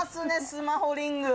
スマホリング」